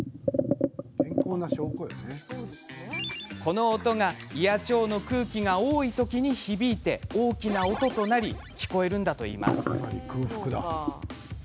この音が胃や腸の空気が多い時に響いて、大きな音となり聞こえるんだといいます。